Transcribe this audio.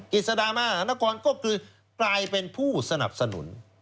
กิจสดามหานครก็คือกลายเป็นผู้สนับสนุน